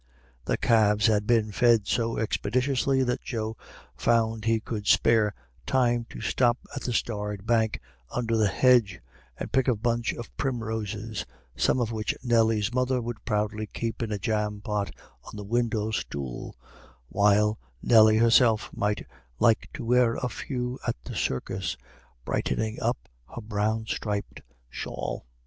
The calves had been fed so expeditiously that Joe found he could spare time to stop at the starred bank under the hedge and pick a bunch of primroses, some of which Nelly's mother would proudly keep in a jam pot on the window stool, while Nelly herself might like to wear a few at the circus, brightening up her brown striped shawl.